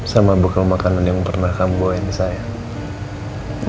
sama buku makanan yang pernah kamu ingin sayang